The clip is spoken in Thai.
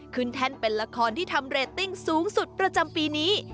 แท่นเป็นละครที่ทำเรตติ้งสูงสุดประจำปีนี้